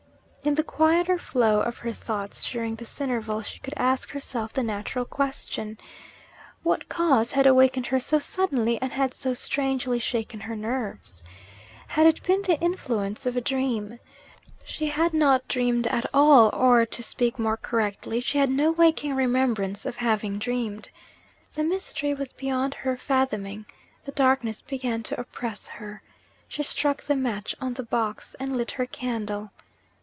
In the quieter flow of her thoughts during this interval, she could ask herself the natural question: What cause had awakened her so suddenly, and had so strangely shaken her nerves? Had it been the influence of a dream? She had not dreamed at all or, to speak more correctly, she had no waking remembrance of having dreamed. The mystery was beyond her fathoming: the darkness began to oppress her. She struck the match on the box, and lit her candle.